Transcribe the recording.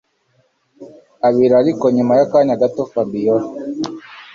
abiri ariko nyuma yakanya gato Fabiora